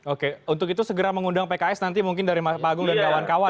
oke untuk itu segera mengundang pks nanti mungkin dari pak agung dan kawan kawan